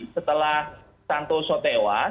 setelah santo sotewas